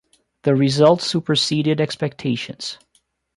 The result superseded expectations.